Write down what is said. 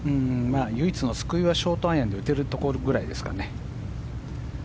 唯一の救いはショートアイアンで打てるところぐらいですかね。